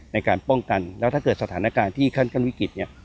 ในการป้องกันแล้วถ้าเกิดสถานการณ์ที่ขั้นวิกฤตเนี่ย